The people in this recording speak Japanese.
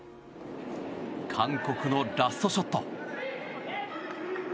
韓国のラストショット。